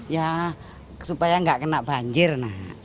ya supaya nggak kena banjir